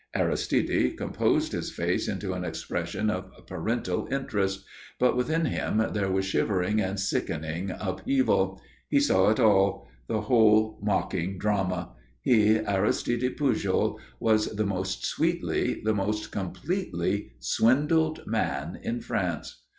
Aristide composed his face into an expression of parental interest; but within him there was shivering and sickening upheaval. He saw it all, the whole mocking drama.... He, Aristide Pujol, was the most sweetly, the most completely swindled man in France.